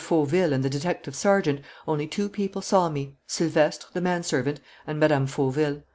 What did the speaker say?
Fauville and the detective sergeant, only two people saw me: Silvestre, the manservant, and Mme. Fauville.